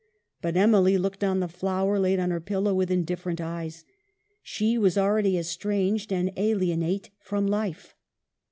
But Emily looked on the flower laid on her pillow with indifferent eyes. She was al ready estranged and alienate from life.